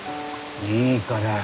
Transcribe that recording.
いいから。